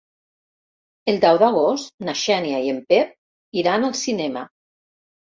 El deu d'agost na Xènia i en Pep iran al cinema.